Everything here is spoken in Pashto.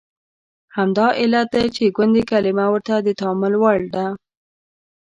همدا علت دی چې د ګوندي کلمه ورته د تامل وړ ده.